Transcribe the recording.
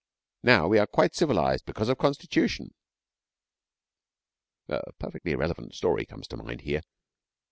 Now we are quite civilised because of Constitution.' [A perfectly irrelevant story comes to mind here.